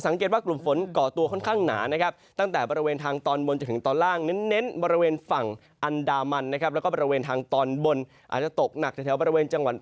สนามลักษณะการตกของฝนวันนี้ช่วง